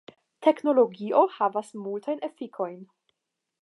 Teknologio havas multajn efikojn.